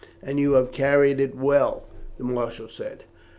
"And you have carried it well," the marshal said.